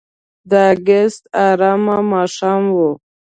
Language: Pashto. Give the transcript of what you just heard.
د اګست آرامه ماښام و.